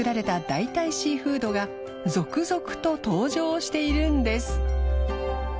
代替シーフードが魁垢登場しているんです磴